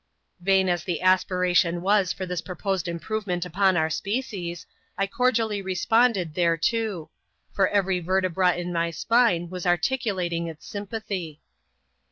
" Vain as the aspiration was for this proposed improvement upon our species, I cordially responded thereto ; for every ver tebra in my spine was articulating its sympathy.